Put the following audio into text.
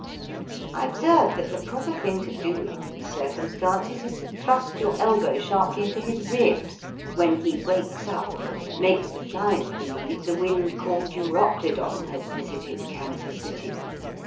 I observe that the proper thing to do in these circumstances is to thrust your elbow sharply into his ribs, when he wakes up and makes the flies beUeve the wind called Euroclydon has visited Kansas City.